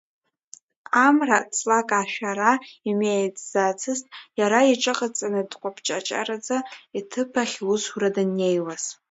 Амра ҵлак ашәара имҩеиӡацызт, иара иҽыҟаҵаны, дкәаԥҷаҷараӡа иҭыԥахь усура даннеиуаз.